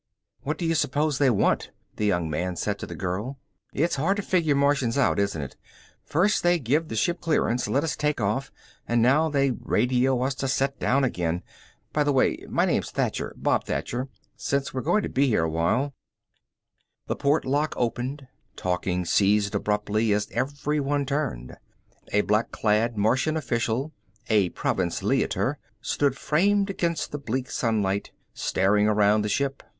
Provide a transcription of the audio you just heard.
"What do you suppose they want?" the young man said to the girl. "It's hard to figure Martians out, isn't it? First they give the ship clearance, let us take off, and now they radio us to set down again. By the way, my name's Thacher, Bob Thacher. Since we're going to be here awhile " The port lock opened. Talking ceased abruptly, as everyone turned. A black clad Martian official, a Province Leiter, stood framed against the bleak sunlight, staring around the ship.